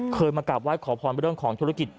เคยมากลับไหว้ขอพรบิดาลของธุรกิจ